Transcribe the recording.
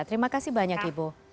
terima kasih banyak ibu